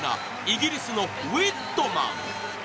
イギリスのウィットマン。